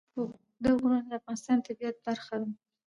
اوږده غرونه د افغانستان د طبیعت برخه ده.